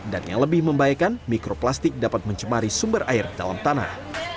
dan yang lebih membaikan mikroplastik dapat mencemari sumber air dalam tanah